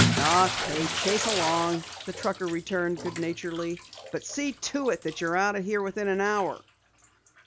"Okay, chase along," the trucker returned good naturedly. "But see to it that you're out of here within an hour."